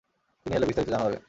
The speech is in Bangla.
তিনি এলে বিস্তারিত জানা যাবে।